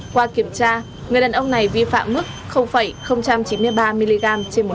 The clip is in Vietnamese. qua kiểm tra người đàn ông này vi phạm mức chín mươi ba mg trên một lít khí thở